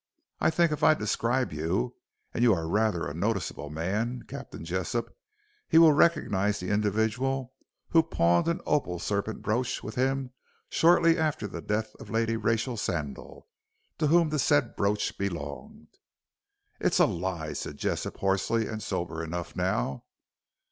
I think if I describe you and you are rather a noticeable man, Captain Jessop he will recognize the individual who pawned an opal serpent brooch with him shortly after the death of Lady Rachel Sandal, to whom the said brooch belonged." "It's a lie," said Jessop hoarsely, and sober enough now.